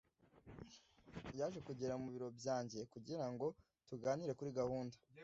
yaje kugera mu biro byanjye kugira ngo tuganire kuri gahunda